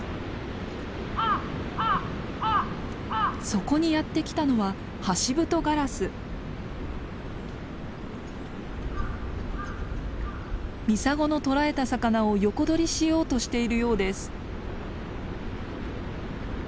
そこにやって来たのはミサゴの捕らえた魚を横取りしようとしているようです。